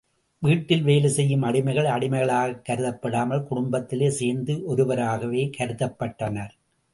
வீட்டில் வேலை செய்யும் அடிமைகள் அடிமைகளாகக் கருதப்படாமல் குடும்பத்தில் சேர்ந்த ஒருவராகவே கருதப்பட்டனர்.